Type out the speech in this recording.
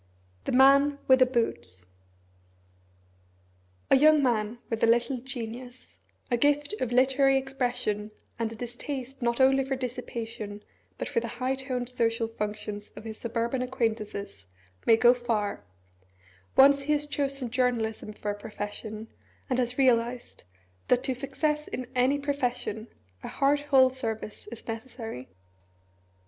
THE MAN WITH THE BOOTS A YOUNG man with a little genius, a gift of literary expression, and a distaste not only for dissipation, but for the high toned social functions of his suburban acquaintances, may go far once he has chosen journalism for a profession, and has realised that to success in any profession a heart whole service is necessary.